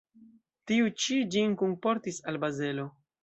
Tiu ĉi ĝin kunportis al Bazelo.